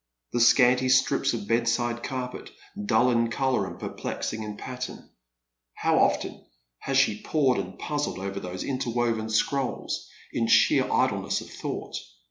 The scanty stxips of bedside carpet, dull in colour and perplexing in pattern. How often has she pored and puzzled over those interwoven scrolls, in sheer idleness of thought.